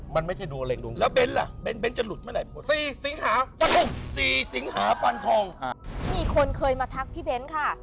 มีคนเคยมาทักพี่เพ้นท์ค่ะ